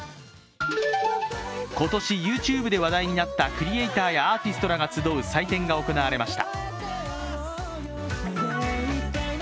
今年、ＹｏｕＴｕｂｅで話題になったクリエーターやアーティストが集う祭典が行われました。